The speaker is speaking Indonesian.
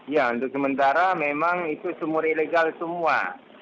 ya untuk sementara memang itu sumur ilegal semua